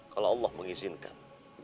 kalau allah mengizinkan